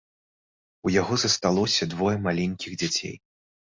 У яго засталіся двое маленькіх дзяцей.